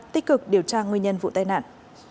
tích cực điều tra nguyên nhân vụ tai nạn